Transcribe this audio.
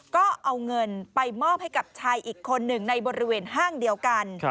ก็เอาเงินไปมอบให้กับชายอีกคนหนึ่งในบริเวณห้างเดียวกัน